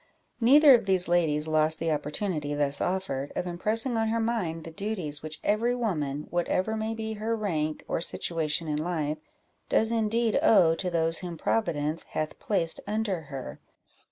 Neither of these ladies lost the opportunity thus offered, of impressing on her mind the duties which every woman, whatever may be her rank or situation in life, does indeed owe to those whom Providence hath placed under her.